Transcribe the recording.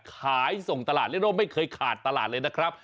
ขายส่งตลาดและโดยไม่เคยขาดตลาดเลยนะครับ